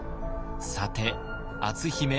さて篤姫